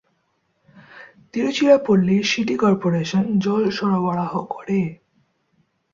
Tiruchirappalli city corporation জল সরবরাহ করে।